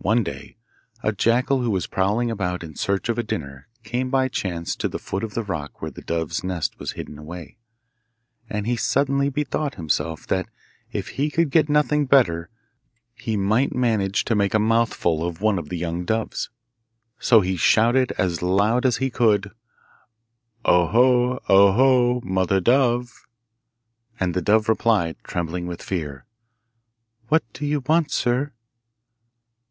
One day a jackal who was prowling about in search of a dinner came by chance to the foot of the rock where the dove's nest was hidden away, and he suddenly bethought himself that if he could get nothing better he might manage to make a mouthful of one of the young doves. So he shouted as loud as he could, 'Ohe, ohe, mother dove.' And the dove replied, trembling with fear, 'What do you want, sir?